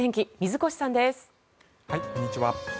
こんにちは。